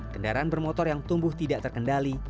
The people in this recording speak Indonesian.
kendaraan bermotor yang tumbuh tidak terkendali